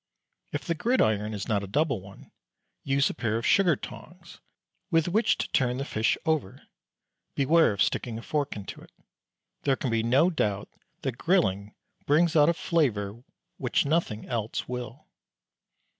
If the gridiron is not a double one, use a pair of sugar tongs with which to turn the fish over; beware of sticking a fork into it. There can be no doubt that grilling brings out a flavour which nothing else will.